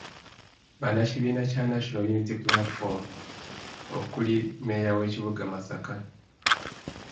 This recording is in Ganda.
Bannakibiina kya National Unity Platform okuli mmeeya w’ekibuga Masaka.